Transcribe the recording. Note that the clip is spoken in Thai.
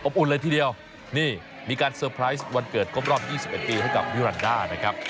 อุ่นเลยทีเดียวนี่มีการเซอร์ไพรส์วันเกิดครบรอบ๒๑ปีให้กับวิรันดานะครับ